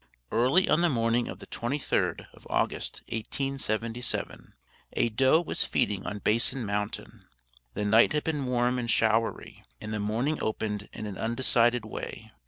Early on the morning of the 23d of August, 1877, a doe was feeding on Basin Mountain. The night had been warm and showery, and the morning opened in an undecided way.